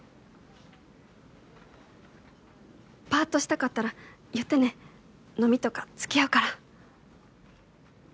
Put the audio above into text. パっとしたかったら言ってね飲みとか付き合うから。